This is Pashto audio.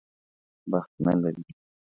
بخت نه لري.